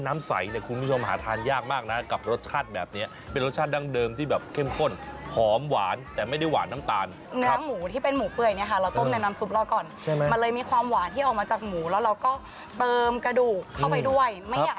มันเลยมีความหวานที่ออกมาจากหมูและเราก็เติมกระดูกเข้าไปด้วย